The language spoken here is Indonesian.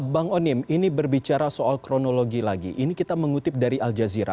bang onim ini berbicara soal kronologi lagi ini kita mengutip dari al jazeera